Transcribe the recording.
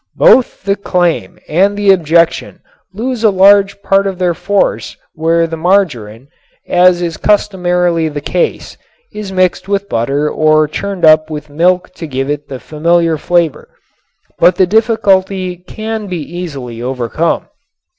Both the claim and the objection lose a large part of their force where the margarin, as is customarily the case, is mixed with butter or churned up with milk to give it the familiar flavor. But the difficulty can be easily overcome.